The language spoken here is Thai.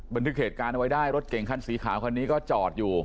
บันทึกเหตุการณ์เอาไว้ได้รถเก่งคันสีขาวคันนี้ก็จอดอยู่